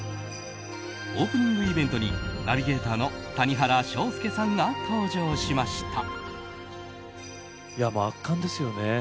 オープニングイベントにナビゲーターの谷原章介さんが登場しました。